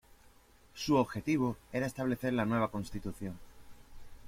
Su objetivo era establecer la nueva constitución.